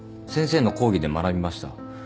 先生の講義で学びました。